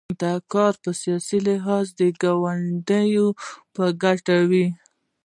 دا کار په سیاسي لحاظ د ګوندونو په ګټه وي.